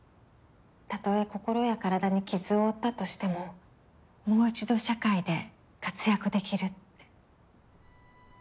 たとえ心や体に傷を負ったとしてももう１度社会で活躍できるって。